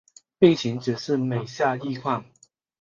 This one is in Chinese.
病情只是每下愈况